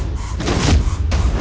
oke itu pak